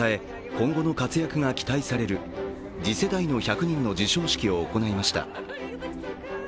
今後の活躍が期待される「次世代の１００人」の授賞式を行いました。